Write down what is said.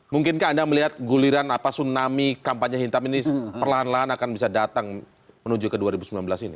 mungkinkah anda melihat guliran apa tsunami kampanye hitam ini perlahan lahan akan bisa datang menuju ke dua ribu sembilan belas ini